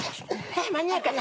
間に合うかな？